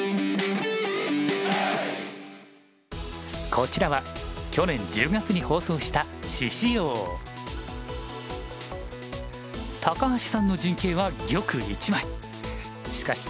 こちらは去年１０月に放送した高橋さんの陣形は玉１枚。